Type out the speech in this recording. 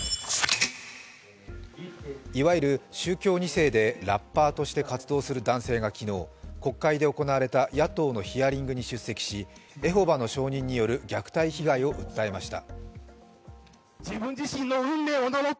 いわゆる宗教２世でラッパーとして活動する男性が昨日、国会で行われた野党のヒアリングに出席しエホバの証人による虐待被害を訴えました。